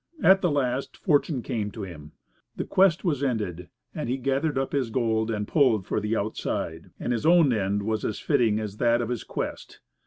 At the last fortune came to him. The quest was ended, and he gathered up his gold and pulled for the outside. And his own end was as fitting as that of his quest.